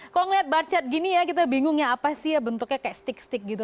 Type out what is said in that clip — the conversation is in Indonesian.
kalau melihat bar chart begini ya kita bingungnya apa sih bentuknya kayak stick stick gitu